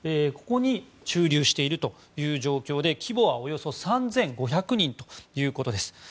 ここに駐留しているという状況で規模はおよそ３５００人ということです。